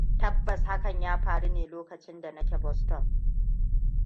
Tabbas hakan ya faru ne lokacin da nake Boston.